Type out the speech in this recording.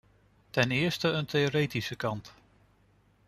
Ten eerste een theoretische kant.